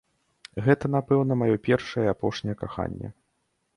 Гэта, напэўна, маё першае і апошняе каханне.